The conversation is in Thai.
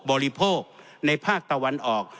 บริโภคในภาคตะวันออก